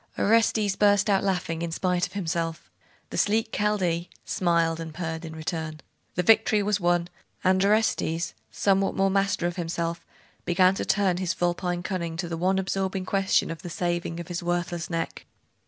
Orestes burst out laughing, in spite of himself. The sleek Chaldee smiled and purred in return. The victory was won; and Orestes, somewhat more master of himself, began to turn his vulpine cunning to the one absorbing question of the saving of his worthless neck.